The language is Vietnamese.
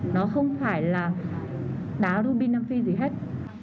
nó không phải là đá rubin nam phi gì hết